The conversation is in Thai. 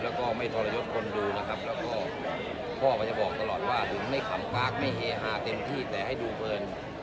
แล้วก็ไม่ทรยศคนดูนะครับแล้วก็พ่อก็จะบอกตลอดว่าถึงไม่ขำปาร์คไม่เฮฮาเต็มที่แต่ให้ดูเพลิน